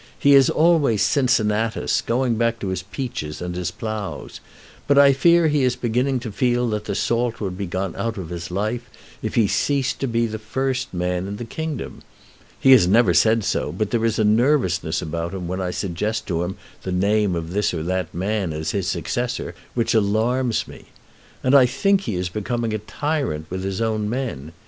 He is always Cincinnatus, going back to his peaches and his ploughs. But I fear he is beginning to feel that the salt would be gone out of his life if he ceased to be the first man in the kingdom. He has never said so, but there is a nervousness about him when I suggest to him the name of this or that man as his successor which alarms me. And I think he is becoming a tyrant with his own men.